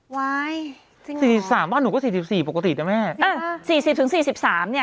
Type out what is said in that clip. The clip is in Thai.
ว้ายจริงเหรอบ้านหนูก็๔๔ปกตินะแม่เออ๔๐๔๓เนี่ย